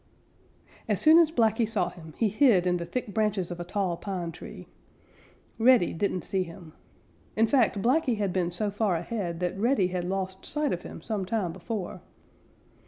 As soon as Blacky saw him he hid in the thick branches of a tall pine tree. Reddy didn't see him. In fact, Blacky had been so far ahead that Reddy had lost sight of him some time before.